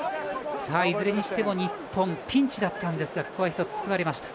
いずれにしても日本ピンチでしたがここは１つ、救われました。